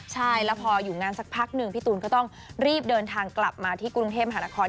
ใช่แล้วพออยู่งานสักพักหนึ่งพี่ตูนก็ต้องรีบเดินทางกลับมาที่กรุงเทพมหานคร